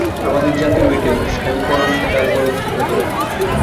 আমাদের জাতের ঐটে দোষ, খালি পরনিন্দা আর পরশ্রীকাতরতা।